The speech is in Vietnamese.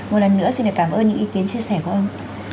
một lần nữa xin được cảm ơn những ý kiến chia sẻ của ông